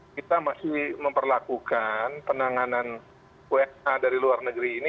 kita masih memperlakukan penanganan wna dari luar negeri ini